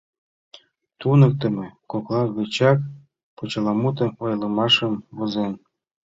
Туныктымо кокла гычак почеламутым, ойлымашым возен.